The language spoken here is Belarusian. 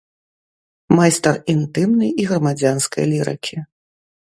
Майстар інтымнай і грамадзянскай лірыкі.